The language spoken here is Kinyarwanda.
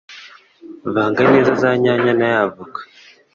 Vanga neza za nyanya na ya avoka,